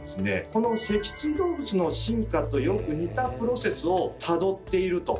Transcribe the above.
この脊椎動物の進化とよく似たプロセスをたどっていると。